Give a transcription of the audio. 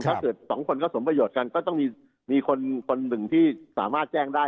ถ้าเกิดสองคนก็สมประโยชน์กันก็ต้องมีคนหนึ่งที่สามารถแจ้งได้